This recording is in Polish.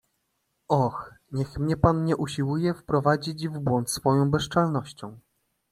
"Och, niech mnie pan nie usiłuje wprowadzić w błąd swoją bezczelnością."